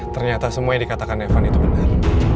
ternyata semua yang dikatakan evan itu benar